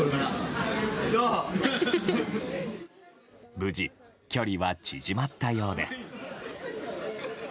無事、距離は縮まったようです。